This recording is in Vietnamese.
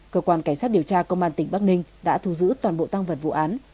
cơ quan cảnh sát điều tra công an tỉnh bắc ninh đã thu giữ toàn bộ tăng vật vụ án